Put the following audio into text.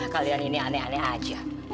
kalian ini aneh aneh aja